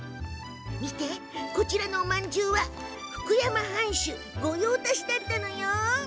こちらのおまんじゅうは福山藩主御用達だったのよ。